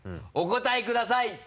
お答えください！